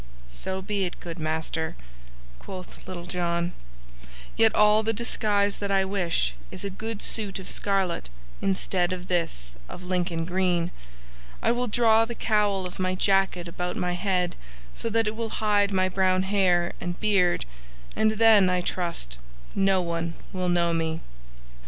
"So be it, good master," quoth Little John, "yet all the disguise that I wish is a good suit of scarlet instead of this of Lincoln green. I will draw the cowl of my jacket about my head so that it will hide my brown hair and beard, and then, I trust, no one will know me."